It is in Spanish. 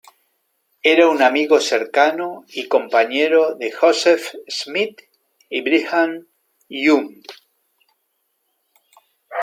Era un amigo cercano y compañero de Joseph Smith y Brigham Young.